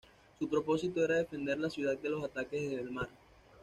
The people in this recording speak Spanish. Su propósito era defender la ciudad de los ataques desde el mar.